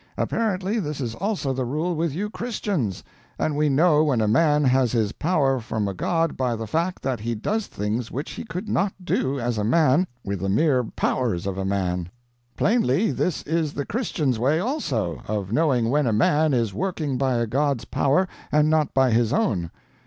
Apparently, this is also the rule with you Christians. And we know when a man has his power from a god by the fact that he does things which he could not do, as a man, with the mere powers of a man. Plainly, this is the Christian's way also, of knowing when a man is working by a god's power and not by his own.